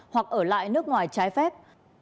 hoặc ở lại nước ngoài trái phép